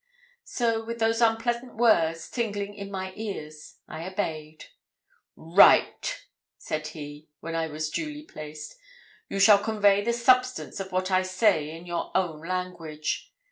So, with those unpleasant words tingling in my ears, I obeyed. 'Write,' said he, when I was duly placed. 'You shall convey the substance of what I say in your own language.